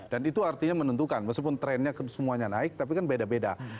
dan itu artinya menentukan meskipun trennya semuanya naik tapi kan beda beda